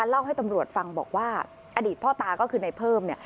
เล่าให้ตำรวจฟังบอกว่าอดีตพ่อตาก็คือในเพิ่มเนี่ย